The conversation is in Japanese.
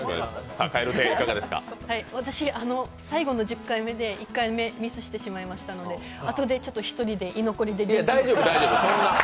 私、最後の１０回目で１回ミスしてしまいましたので、あとでちょっと１人で居残りで大丈夫、大丈夫。